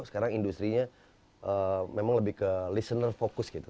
sekarang industri nya memang lebih ke listener fokus gitu